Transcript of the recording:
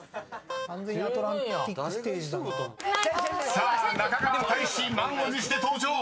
［さあ中川大志満を持して登場！］